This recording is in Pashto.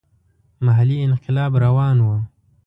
محلي انقلاب روان وو.